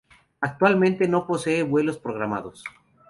Actualmente no posee vuelos programados.